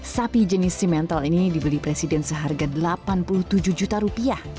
sapi jenis simental ini dibeli presiden seharga delapan puluh tujuh juta rupiah